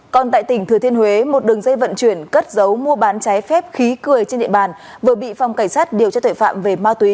còn tại tỉnh thừa thiên huế một đường dây vận chuyển cất giấu mua bán trái phép khí cười trên địa bàn vừa bị phòng cảnh sát điều tra tuệ phạm về ma túy